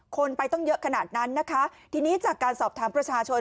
คนไปต้องเยอะขนาดนั้นนะคะทีนี้จากการสอบถามประชาชน